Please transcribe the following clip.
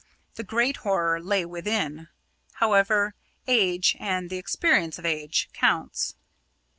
The great horror lay within. However, age and the experience of age counts.